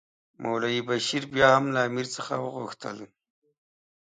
مولوي بشیر بیا هم له امیر څخه وغوښتل.